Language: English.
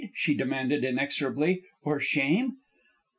she demanded, inexorably. "Or shame?"